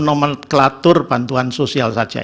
nomenklatur bantuan sosial saja